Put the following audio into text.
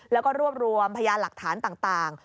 แล้วก็รวบรวมพยานหลักฐานต่าง